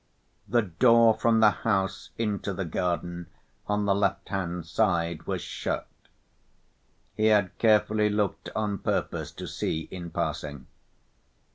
The door from the house into the garden on the left‐hand side, was shut; he had carefully looked on purpose to see, in passing.